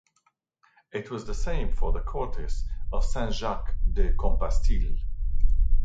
It was the same for the Cortes of Saint-Jacques-de-Compostelle.